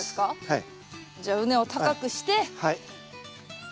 はい。